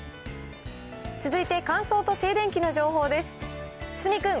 続いて乾燥と静電気の情報です。